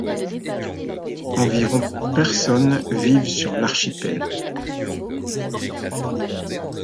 Environ personnes vivent sur l'archipel.